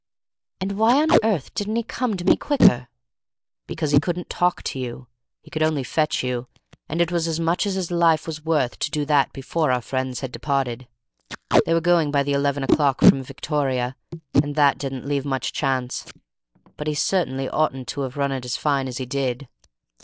"And why on earth didn't he come to me quicker?" "Because he couldn't talk to you, he could only fetch you, and it was as much as his life was worth to do that before our friends had departed. They were going by the eleven o'clock from Victoria, and that didn't leave much chance, but he certainly oughtn't to have run it as fine as he did.